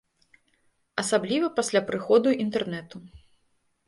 Асабліва пасля прыходу інтэрнэту.